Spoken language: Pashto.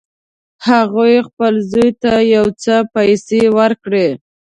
هغې خپل زوی ته یو څه پیسې ورکړې